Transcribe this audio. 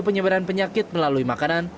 penyebaran penyakit melalui makanan